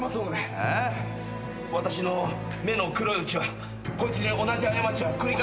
私の目の黒いうちはこいつに同じ過ちは繰り返させません。